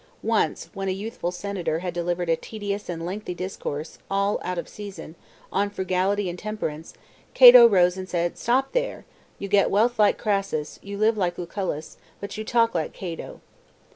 Once when a youthful senator had delivered a tedious and lengthy discourse, all out of season, on frugality and tem perance, Cato rose and said; "Stop there! you get wealth like Crassus, you live like Lucullus, but you talk like Cato."